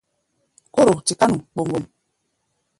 Kóro tiká nu kpoŋgom.